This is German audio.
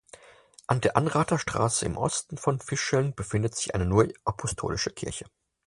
An der Anrather Straße im Osten von Fischeln befindet sich eine Neuapostolische Kirche.